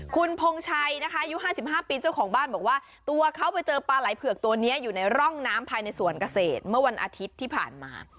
คุณพงชัยนะคะอายุ๕๕ปีเจ้าของบ้านบอกว่าตัวเขาไปเจอปลาไหลเผือกตัวนี้อยู่ในร่องน้ำภายในสวนเกษตรเมื่อวันอาทิตย์ที่ผ่านมา